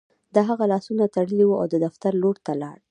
د هغه لاسونه تړلي وو او د دفتر لور ته لاړ